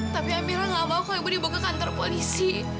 tapi amira gak mau kalau ibu ibu ke kantor polisi